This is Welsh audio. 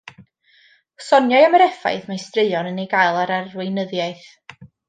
Soniai am yr effaith mae straen yn ei gael ar arweinyddiaeth